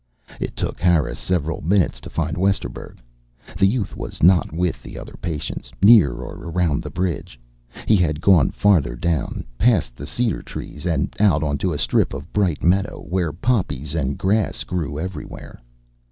It took Harris several minutes to find Westerburg. The youth was not with the other patients, near or around the bridge. He had gone farther down, past the cedar trees and out onto a strip of bright meadow, where poppies and grass grew everywhere.